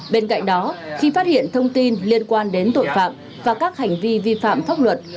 bên cạnh đó khi phát hiện thông tin liên quan đến tội phạm và các hành vi vi phạm pháp luật